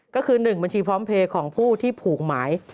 ก็คือ๑บัญชีพร้อมเพลย์ของผู้ที่ผูกหมาย